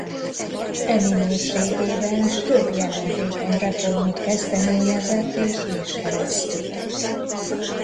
E minőségében több jelentékeny reformot kezdeményezett és vitt keresztül.